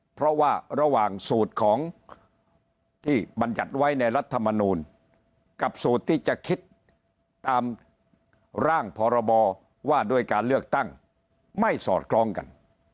เพราะว่าระหว่างสูตรของที่บรรยัติไว้ในรัฐมนูลกับสูตรที่จะคิดตามร่างพรบว่าด้วยการเลือกตั้งไม่สอดคล้องกัน